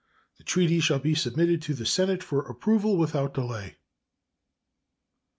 The treaty shall be submitted to the Senate for approval without delay.